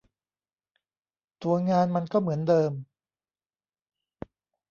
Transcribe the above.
ตัวงานมันก็เหมือนเดิม